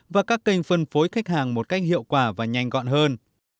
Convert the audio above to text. và các kênh phân phối khách hàng một cách hiệu quả và nhanh gọn hơn